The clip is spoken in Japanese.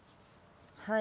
はい。